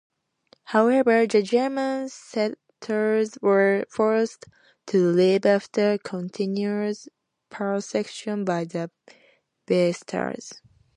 However, the German settlers were forced to leave after continuous persecution by the Villistas.